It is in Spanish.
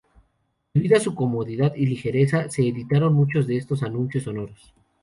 Debido a su comodidad y ligereza se editaron muchos de estos "anuncios sonoros".